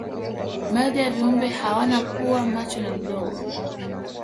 baadhi ya viumbe hawana pua macho na mdomo